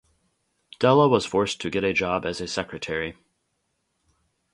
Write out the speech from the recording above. Della was forced to get a job as a secretary.